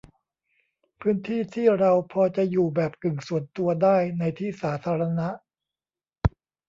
พื้นที่ที่เราพอจะอยู่แบบกึ่งส่วนตัวได้ ในที่สาธารณะ